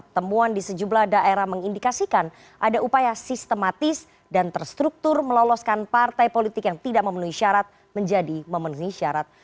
temuan di sejumlah daerah mengindikasikan ada upaya sistematis dan terstruktur meloloskan partai politik yang tidak memenuhi syarat menjadi memenuhi syarat